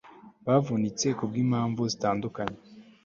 bavunitse kubwimpamvu zitandukanye